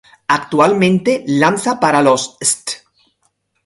Actualmente lanza para los St.